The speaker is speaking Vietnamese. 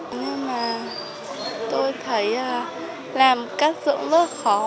nhưng mà tôi thấy làm các dựng rất là khó